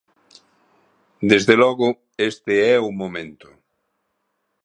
Desde logo, este é o momento.